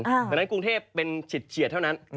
ดังนั้นกรุงเทพเป็นเฉียดเท่านั้น